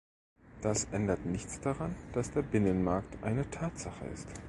Das ändert nichts daran, dass der Binnenmarkt eine Tatsache ist.